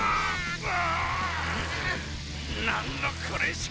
うわ！